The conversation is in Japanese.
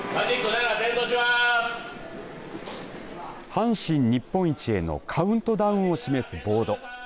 阪神日本一へのカウントダウンを示すボード。